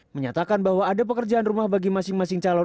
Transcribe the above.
menyatakan bahwa ada pekerjaan rumah bagi masing masing calon